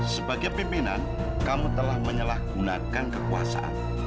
sebagai pimpinan kamu telah menyalahgunakan kekuasaan